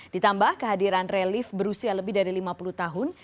ditambah kehadiran relief berusia lebih dari lima puluh tahun